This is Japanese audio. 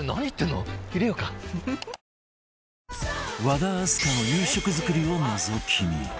和田明日香の夕食作りをのぞき見